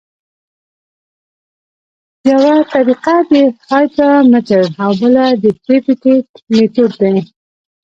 یوه طریقه د هایدرامتر او بله د پیپیټ میتود دی